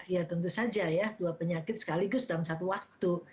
ya tentu saja ya dua penyakit sekaligus dalam satu waktu